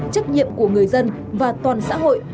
chấp nhiệm của người dân và toàn xã hội